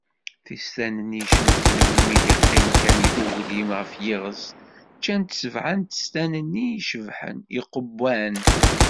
Tistan-nni icemten, iwumi i d-iqqim kan ugwlim ɣef yiɣes, ččant sebɛa n testan-nni icebḥen, iqewwan.